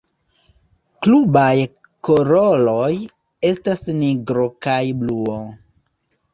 Klubaj koloroj estas nigro kaj bluo.